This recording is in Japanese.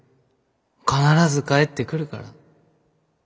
必ず帰ってくるから。